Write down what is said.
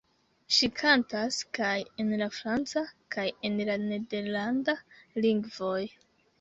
Ŝi kantas kaj en la franca kaj en la nederlanda lingvoj.